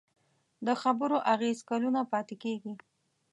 د خبرو اغېز کلونه پاتې کېږي.